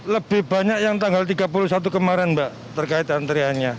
lebih banyak yang tanggal tiga puluh satu kemarin mbak terkait antriannya